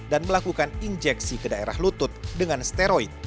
dan melakukan injeksi ke daerah lutut dengan steroid